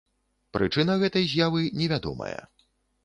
Прычына гэтай з'явы невядомая.